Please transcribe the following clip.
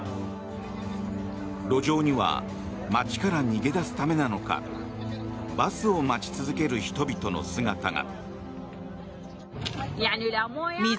路上には街から逃げ出すためなのかバスを待ち続ける人々の姿が。